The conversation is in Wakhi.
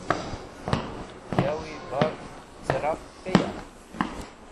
Yawi baf cẽrap teya?